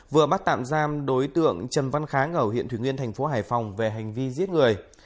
vừa bắt tạm giam đối tượng trần văn kháng ở huyện thủy nguyên thành phố hải phòng về hành vi giết người